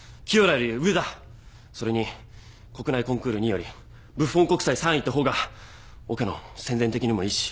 それに国内コンクール２位よりブッフォン国際３位ってほうがオケの宣伝的にもいいし。